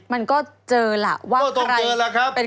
มันก็เจอล่ะว่าใครเป็นคนจัด